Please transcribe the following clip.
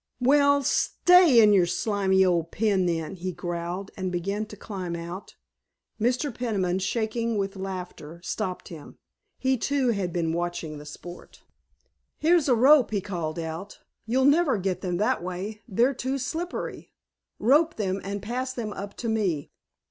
"Well, stay in your slimy old pen then," he growled, and began to climb out. Mr. Peniman, shaking with laughter, stopped him. He too had been watching the sport. "Here's a rope," he called out; "you'll never get them that way, they're too slippery. Rope them and pass them up to me."